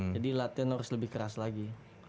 jadi latihan harus lebih keras lagi